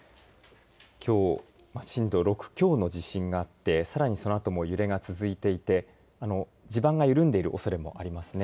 きょう震度６強の地震があってさらにそのあとも揺れが続いていて地盤が緩んでいるおそれもありますね。